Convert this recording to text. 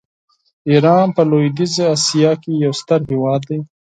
ایران په لویدیځه آسیا کې یو ستر هېواد دی.